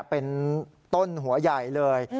เป็นต้นหัวใหญ่เลย